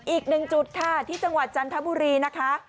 อีกหนึ่งจุดค่ะที่จังหวัดจันทบุรีนะคะ